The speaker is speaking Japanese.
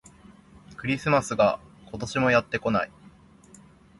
クリスマスが、今年もやってこない